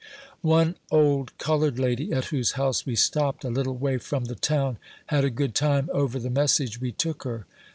One old colored lady, at whose house we stopped, a little way from the town, had a good time over the message we took her.